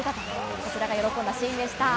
こちらが喜んだシーンでした。